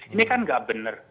ini kan gak bener